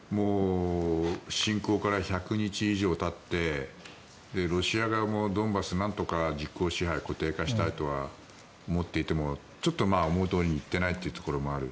侵攻から１００日以上たってロシア側もドンバスをなんとか実効支配を固定化したいとは思っていてもちょっと思いどおりにいっていないところもある。